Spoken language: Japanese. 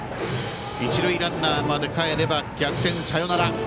一塁ランナーまでかえれば逆転サヨナラ。